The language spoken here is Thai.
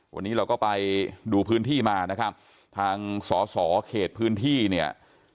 วันนี้เราก็ไปดูพื้นที่มานะครับทางสอสอเขตพื้นที่เนี่ย